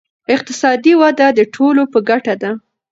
اقتصادي وده د ټولو په ګټه ده.